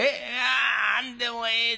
何でもええだ」。